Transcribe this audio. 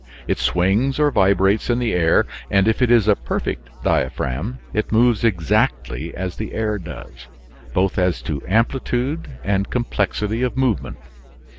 It swings or vibrates in the air, and if it is a perfect diaphragm it moves exactly as the air does, both as to amplitude and complexity of movement.